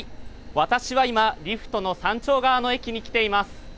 私は今リフトの山頂側の駅に来ています。